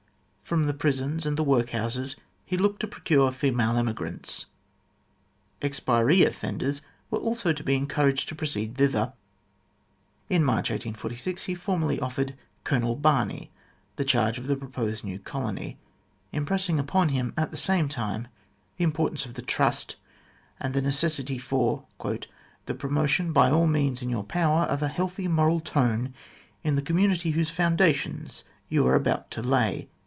From the prisons and the workhouses he looked to procure female emigrants. Expiree offenders were also to be encouraged to proceed thither. In March, 1846, he formally offered Colonel Barney the charge of the proposed new colony, impressing upon him at the same time the im portance of the trust, and the necessity for " the promotion, by all means in your power, of a healthy moral tone in the community whose foundations you are about to lay."